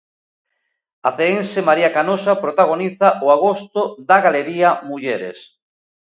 A ceense María Canosa protagoniza o agosto da Galería Mulleres.